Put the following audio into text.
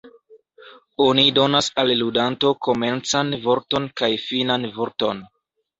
Oni donas al ludanto komencan vorton kaj finan vorton.